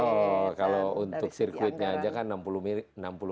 oh kalau untuk sirkuitnya aja kan enam puluh miliar